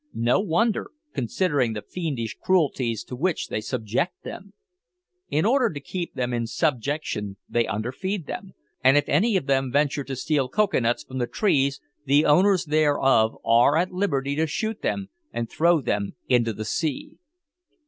No wonder, considering the fiendish cruelties to which they subject them! In order to keep them in subjection they underfeed them, and if any of them venture to steal cocoa nuts from the trees the owners thereof are at liberty to shoot them and throw them into the sea.